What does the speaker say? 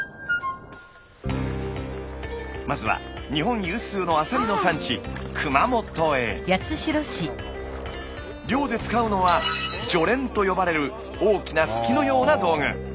まずは日本有数のアサリの産地漁で使うのは「ジョレン」と呼ばれる大きなすきのような道具。